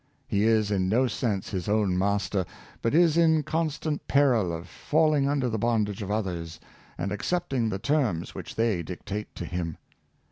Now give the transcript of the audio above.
He is in no sense his ov/n master, but is in constant peril of falling under the bondage of others, and accepting the terms which they dictate to him.